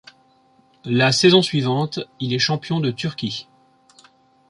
La saison suivante il est champion de Turquie.